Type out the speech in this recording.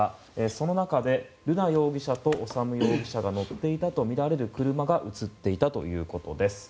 その中で瑠奈容疑者と修容疑者が乗っていたとみられる車が映っていたということです。